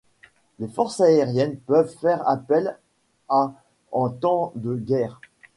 Les forces aériennes peuvent faire appel à en temps de guerre.